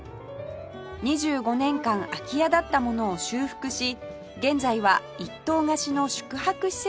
２５年間空き家だったものを修復し現在は一棟貸しの宿泊施設に